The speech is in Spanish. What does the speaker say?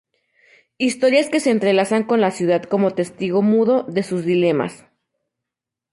Historias que se entrelazan con la ciudad como testigo mudo de sus dilemas.